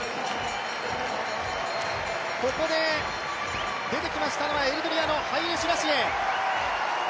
ここで、出てきましたのはエリトリアのハイレシュラシエ。